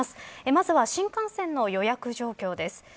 まずは新幹線の予約状況です。